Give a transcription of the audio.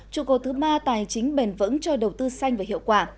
trụ cột thứ ba tài chính bền vững cho đầu tư xanh và hiệu quả